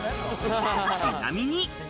ちなみに。